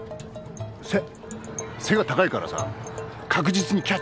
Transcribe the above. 背背が高いからさ確実にキャッチできるって。